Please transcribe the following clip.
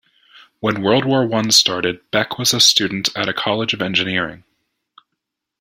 When World War One started, Beck was a student at a college of Engineering.